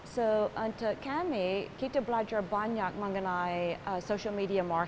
jadi untuk kami kita belajar banyak mengenai marketing media sosial